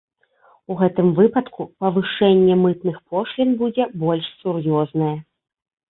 У гэтым выпадку павышэнне мытных пошлін будзе больш сур'ёзнае.